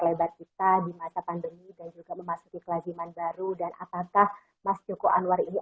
lebat kita di masa pandemi dan juga memasuki kelajiman baru dan apakah mas joko anwar ini